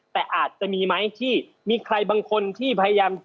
แต่อาจจะมีไหมที่มีใครบางคนที่พยายาม